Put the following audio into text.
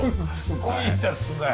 すごいですね。